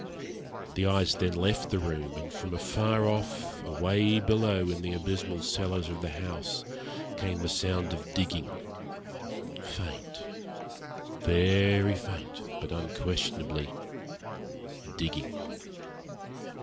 The eyes then left the room; and from afar off, away below, in the abysmal cellars of the house, came the sound of digging faint, very faint, but unquestionably digging.